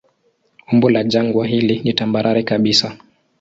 Umbo la jangwa hili ni tambarare kabisa.